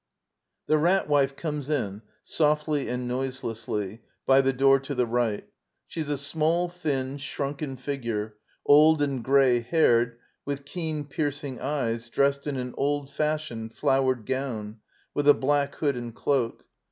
[The Rat Wife comes in, softly and noiselessly, by the door to the right. She is a small, thin, shnmken figure, old and gray haired, with keen, piercing eyes, dressed in an old fashioned, flowered gown, with a black hood and cloak.